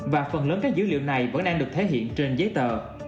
và phần lớn các dữ liệu này vẫn đang được thể hiện trên giấy tờ